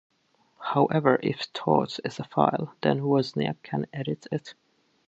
However, if 'thoughts' is a file, then 'wozniak' can edit it.